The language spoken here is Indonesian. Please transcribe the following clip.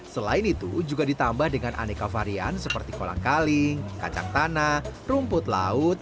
selain itu juga ditambah dengan aneka varian seperti kolang kaling kacang tanah rumput laut